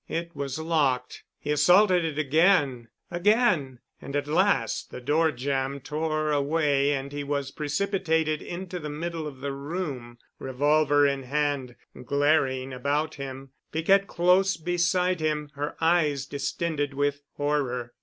It was locked. He assaulted it again, again, and at last the door jamb tore away and he was precipitated into the middle of the room, revolver in hand, glaring about him, Piquette close beside him, her eyes distended with horror.